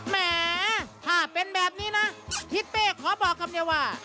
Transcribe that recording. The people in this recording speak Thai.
แหมถ้าเป็นแบบนี้นะพี่เต้ขอบอกครับเนี่ยว่า